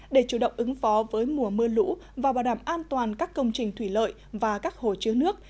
để chủ động ứng phó với mùa mưa lũ và bảo đảm an toàn các công trình thủy lợi và các hồ chứa nước